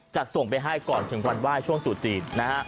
จะส่งไปให้ก่อนถึงวันไหว้ช่วงตรุษจีนนะฮะ